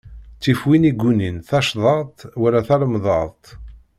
Ttif win iggunin tacḍaḍt, wala talemḍaḍt.